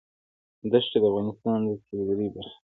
دښتې د افغانستان د سیلګرۍ برخه ده.